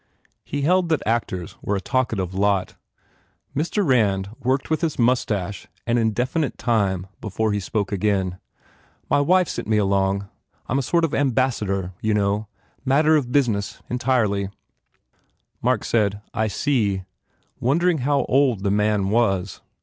He held that actors were a talkative lot. Mr. Rand worked with his moustache an indefinite time before he spoke again. "My wife sent me along I m a sort of ambas 62 FULL BLOOM sador, you know? ... Matter of business, entirely." Mark said, "I see," wondering how old the man was.